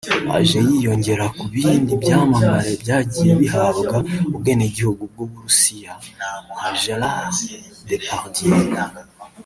Aje yiyongera ku bindi byamamare byagiye bihabwa ubwenegihugu bw’Uburusiya nka Gerard Depardieu